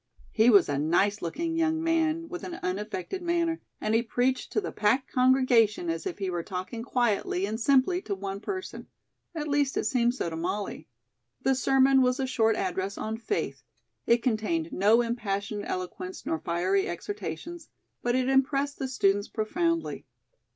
He was a nice looking young man, with an unaffected manner, and he preached to the packed congregation as if he were talking quietly and simply to one person; at least, it seemed so to Molly. The sermon was a short address on "Faith." It contained no impassioned eloquence nor fiery exhortations, but it impressed the students profoundly.